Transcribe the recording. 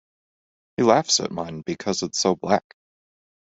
He laughs at mine because it’s so black.